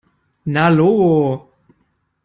Na logo!